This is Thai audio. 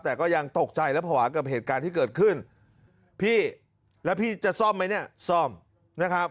แต่ก็ยังตกใจและภาวะกับเหตุการณ์ที่เกิดขึ้นพี่แล้วพี่จะซ่อมไหมเนี่ยซ่อมนะครับ